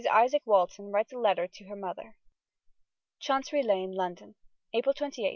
IZAAK WALTON WRITES A LETTER TO HER MOTHER CHANCERY LANE, LONDON, April 28, 1639.